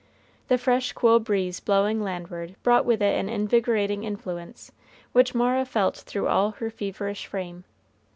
The fresh cool breeze blowing landward brought with it an invigorating influence, which Mara felt through all her feverish frame.